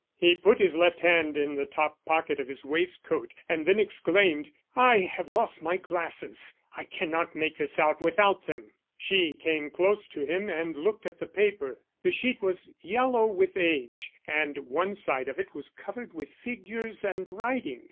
He put his left hand in the top pocket of his waistcoat, and then exclaimed: "I have lost my glasses; I cannot make this out without them." She came close to him and looked at the paper. The sheet was yellow with age, and one side of it was covered with figures and writing.